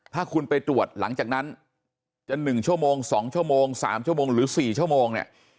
ถ้าคุณไปตรวจหลังจากนั้นจะ๑ชั่วโมง๒ชั่วโมง๓ชั่วโมงหรือ๔ชั่วโมงเนี่ย